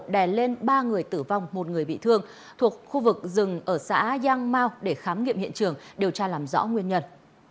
đè lên ba người tử vong một người bị thương thuộc khu vực rừng ở xã giang mau để khám nghiệm hiện trường điều tra làm rõ nguyên nhân